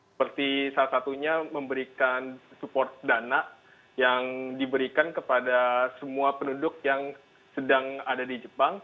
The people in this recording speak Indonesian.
seperti salah satunya memberikan support dana yang diberikan kepada semua penduduk yang sedang ada di jepang